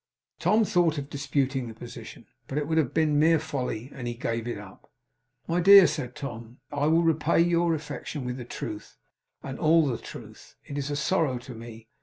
Tom thought of disputing the position. But it would have been mere folly, and he gave it up. 'My dear,' said Tom, 'I will repay your affection with the Truth and all the Truth. It is a sorrow to me.